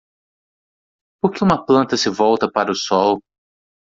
Por que uma planta se volta para o sol?